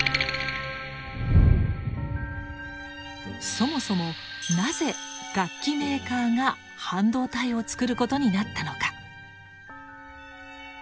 そもそもなぜ楽器メーカーが半導体を作ることになったのか。